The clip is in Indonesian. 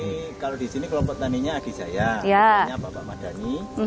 di sini kalau di sini kelompok petani nya agi jaya petani nya bapak madani